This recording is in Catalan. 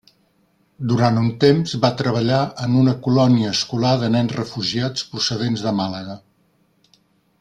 Durant un temps va treballar en una colònia escolar de nens refugiats procedents de Màlaga.